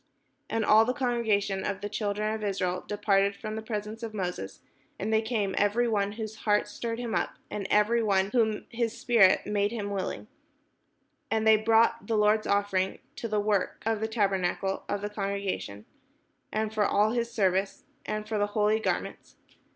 " And all the congregation of the children of Israel departed from the presence of Moses. And they came, every one whose heart stirred him up, and every one whom his spirit made willing, and they brought the Lord's offering to the work of the tabernacle of the con gregation, and for all his service, and for the holy gar ments.